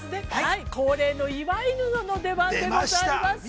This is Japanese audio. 恒例の祝い布の出番でございます。